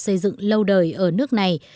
xây dựng lâu đời ở nước này